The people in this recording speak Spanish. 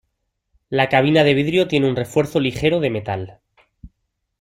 La cabina de vidrio tiene un refuerzo ligero de metal.